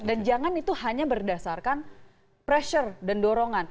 dan jangan itu hanya berdasarkan pressure dan dorongan